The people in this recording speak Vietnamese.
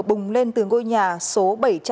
bùng lên từ ngôi nhà số bảy trăm ba mươi năm